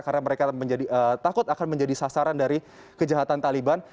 karena mereka takut akan menjadi sasaran dari kejahatan mereka